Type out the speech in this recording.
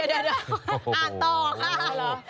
เดี๋ยวอ่าต่อค่ะ